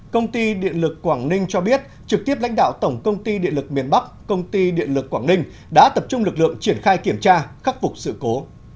công ty điện lực quảng ninh cho biết trực tiếp lãnh đạo tổng công ty điện lực miền bắc công ty điện lực quảng ninh đã tập trung lực lượng triển khai kiểm tra khắc phục sự cố